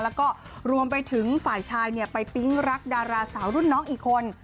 แล้วก็รวมไปถึงฝ่ายชายไปปิ๊งรักดาราสาวรุ่นน้องอีกคน